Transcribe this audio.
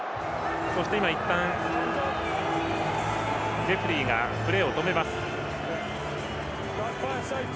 そして今いったんレフリーがプレーを止めます。